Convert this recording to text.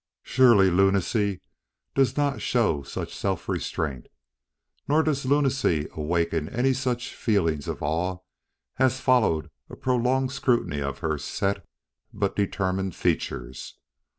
Surely lunacy does not show such self restraint; nor does lunacy awaken any such feelings of awe as followed a prolonged scrutiny of her set but determined features.